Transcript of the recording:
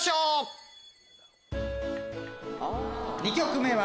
２曲目は